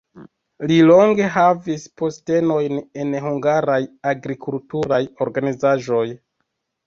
Li longe havis postenojn en hungaraj agrikulturaj organizaĵoj.